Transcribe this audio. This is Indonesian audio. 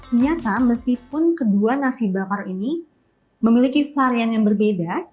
ternyata meskipun kedua nasi bakar ini memiliki varian yang berbeda